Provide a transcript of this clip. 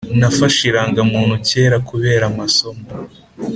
Nafashe iragamuntu kera kubera amasomo